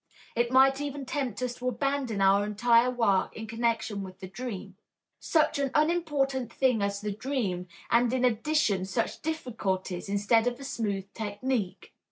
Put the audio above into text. It might even tempt us to abandon our entire work in connection with the dream. Such an unimportant thing as the dream and in addition such difficulties instead of a smooth technique!